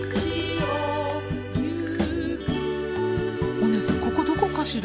お姉さんここどこかしら？